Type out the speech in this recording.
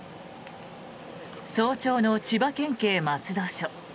早朝の千葉県警松戸署。